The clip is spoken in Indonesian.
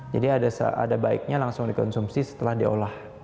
jadi ada baiknya langsung dikonsumsi setelah diolah